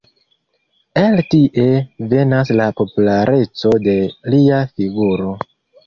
El tie venas la populareco de lia figuro.